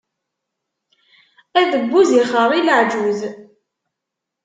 Adebbuz ixeṛṛi leɛǧuz.